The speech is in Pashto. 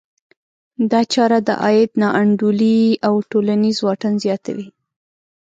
دا چاره د عاید نا انډولي او ټولنیز واټن زیاتوي.